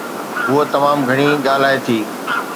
هوءَ تمام گهڻي ڳالهائي ٿي